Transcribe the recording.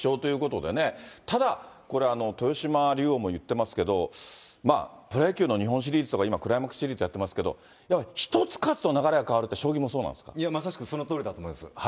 やっぱり３連勝して、あと１勝ということでね、ただこれ、豊島竜王も言ってますけど、プロ野球の日本シリーズとか今、クライマックスシリーズとかやってますけど、１つ勝つと流れが変わるっまさしくそのとおりだと思い